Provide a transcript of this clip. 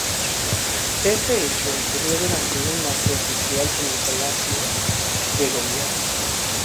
Este hecho ocurrió durante un acto oficial en el Palacio de Gobierno.